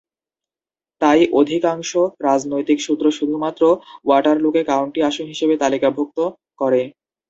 তাই, অধিকাংশ রাজনৈতিক সূত্র শুধুমাত্র ওয়াটারলুকে কাউন্টি আসন হিসেবে তালিকাভুক্ত করে।